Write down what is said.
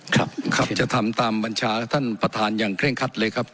ครับครับจะทำตามบัญชาท่านประธานอย่างเคร่งคัดเลยครับ